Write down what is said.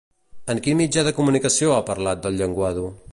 En quin mitjà de comunicació ha parlat d'El llenguado?